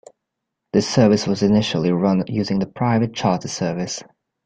This service was initially run using a private charter service.